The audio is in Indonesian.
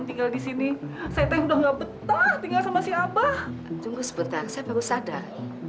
tunggu sebentar saya baru sadar